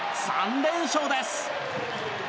３連勝です。